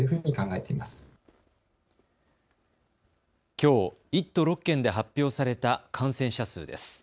きょう、１都６県で発表された感染者数です。